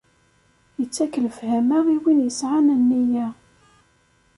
Ittak lefhama i win yesɛan nniya.